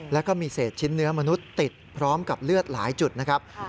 แล้วก็มีเศษชิ้นเนื้อมนุษย์ติดพร้อมกับเลือดหลายจุดนะครับ